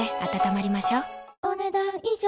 お、ねだん以上。